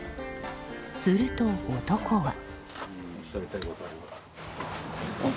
すると、男は。